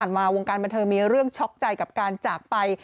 ผ่านมาวงการบรรเทอมีเรื่องช็อคใจกับการจากไป